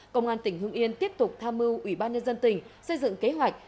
công an tỉnh hưng yên tiếp tục tham mưu ủy ban nhân dân tỉnh xây dựng kế hoạch